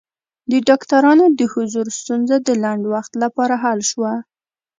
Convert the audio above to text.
د ډاکټرانو د حضور ستونزه د لنډ وخت لپاره حل شوه.